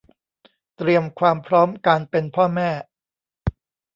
เตรียมความพร้อมการเป็นพ่อแม่